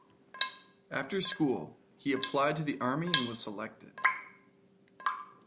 After school he applied to the army and was selected.